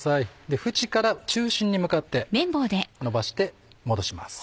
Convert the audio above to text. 縁から中心に向かってのばして戻します。